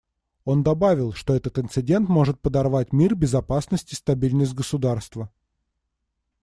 Он добавил, что этот инцидент может подорвать мир, безопасность и стабильность государства.